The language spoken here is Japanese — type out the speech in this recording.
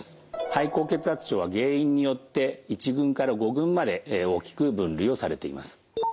肺高血圧症は原因によって１群から５群まで大きく分類をされています。